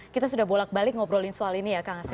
kita sudah bolak balik ngobrolin soal ini ya kang asep